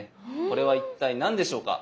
これは一体何でしょうか？